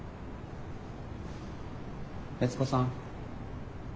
悦子さん。